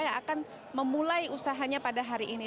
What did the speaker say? yang akan memulai usahanya pada hari ini